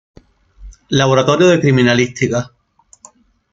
Laboratorio de criminalística.